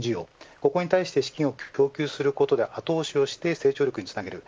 ここに対して資金を供給することで後押しして、成長力につなげる。